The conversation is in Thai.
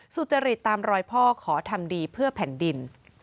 สุจริตตามรอยพ่อขอทำดีเพื่อแผ่นดิน